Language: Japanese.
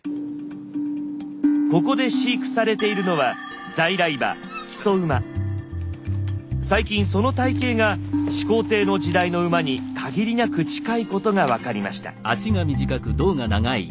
ここで飼育されているのは最近その体形が始皇帝の時代の馬に限りなく近いことが分かりました。